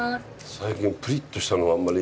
最近プリッとしたのあんまり。